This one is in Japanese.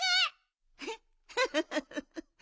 フフッフフフフ。